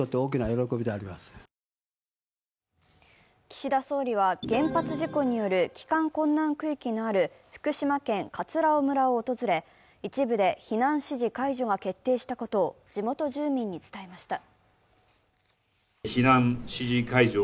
岸田総理は原発事故による帰還困難区域のある福島県葛尾村を訪れ一部で避難指示が解除したことを地元住民に伝えました。